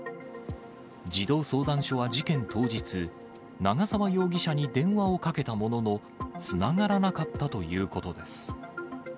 児童相談所は事件当日、長沢容疑者に電話をかけたものの、つながらなかったということです。